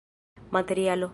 materialo